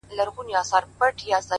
په سونډو کي چي ولگېدی زوز په سجده کي!